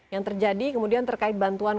yang terjadi kemudian terkait bantuan